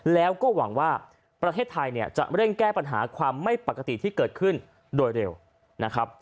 แล้วก็หวังว่าประเทศไทยเนี่ยจะเร่งแก้ปัญหาความไม่ปกติที่เกิดขึ้นโดยเร็วนะครับ